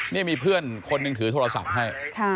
นี่มีเพื่อนคนหนึ่งถือโทรศัพท์ให้